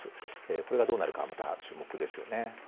これがどうなるかまた注目ですよね。